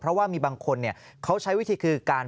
เพราะว่ามีบางคนเขาใช้วิธีคือการ